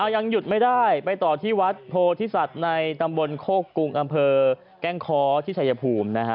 ยังหยุดไม่ได้ไปต่อที่วัดโพธิสัตว์ในตำบลโคกรุงอำเภอแก้งคอที่ชายภูมินะฮะ